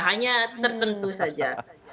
hanya tertentu saja